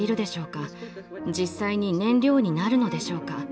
実際に燃料になるのでしょうか？